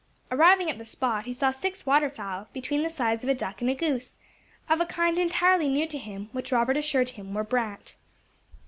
Arriving at the spot, he saw six water fowl, between the size of a duck and a goose, of a kind entirely new to him, and which Robert assured him were brant.